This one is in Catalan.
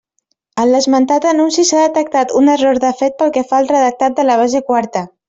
En l'esmentat anunci s'ha detectat un error de fet pel que fa al redactat de la base quarta.